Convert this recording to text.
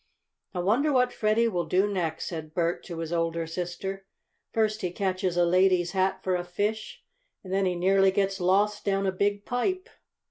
"I wonder what Freddie will do next?" said Bert to his older sister. "First he catches a lady's hat for a fish, and then he nearly gets lost down a big pipe."